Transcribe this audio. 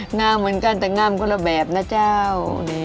งามเหมือนกันแต่งามคนละแบบนะเจ้า